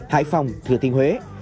hải phòng thừa thiên huế